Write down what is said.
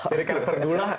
dari karakter dulu lah